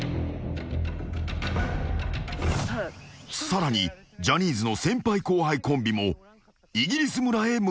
［さらにジャニーズの先輩後輩コンビもイギリス村へ向かっている］